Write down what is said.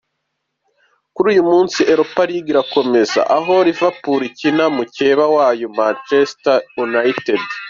Kuri uyu munsi Europa League irakomeza aho livepoor ikina mukeba wayo Manshester Unite